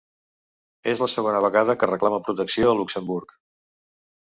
És la segona vegada que reclama protecció a Luxemburg.